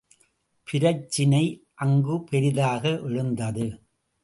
பிரச்சினை அங்கு பெரிதாக எழுந்தது.